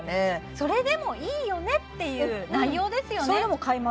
それでもいいよねっていう内容ですよね